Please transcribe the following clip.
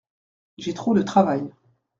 J’ai trop de travail.